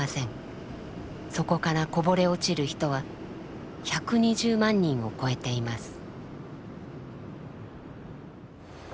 そこからこぼれ落ちる人は１２０万人を超えています。